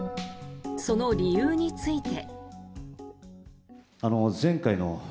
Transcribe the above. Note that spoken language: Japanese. その理由について。